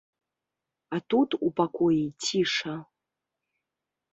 А тут у пакоі ціша.